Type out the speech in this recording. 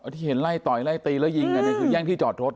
ที่เห็นไล่ต่อยไล่ตีแล้วยิงกันนี่คือแย่งที่จอดรถ